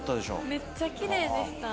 めっちゃきれいでした。